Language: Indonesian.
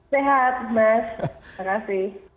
sehat mas terima kasih